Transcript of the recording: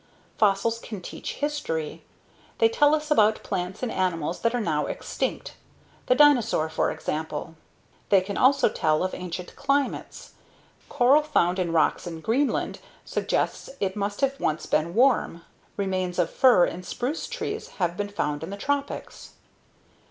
Fossils can teach history. They tell us about plants and animals that are now extinct the dinosaur, for example. They can also tell of ancient climates. Coral found in rocks in Greenland suggests it must have once been warm. Remains of fir and spruce trees have been found in the tropics.